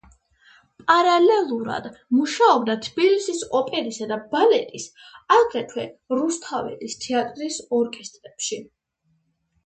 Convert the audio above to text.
პარალელურად მუშაობდა თბილისის ოპერისა და ბალეტის, აგრეთვე რუსთაველის თეატრის ორკესტრებში.